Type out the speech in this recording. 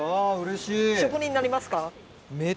職人になりますか？